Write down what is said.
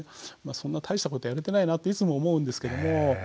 そんな大したことやれてないなっていつも思うんですけども。